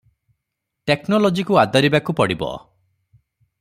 ଟେକନୋଲୋଜିକୁ ଆଦରିବାକୁ ପଡ଼ିବ ।